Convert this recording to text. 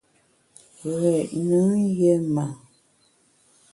Ghét nùn yé ma.